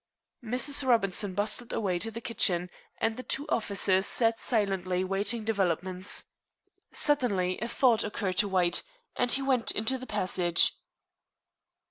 Mrs. Robinson bustled away to the kitchen, and the two officers sat silently waiting developments. Suddenly a thought occurred to White, and he went into the passage.